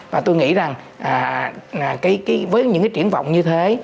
và tôi nghĩ rằng với những cái triển vọng như thế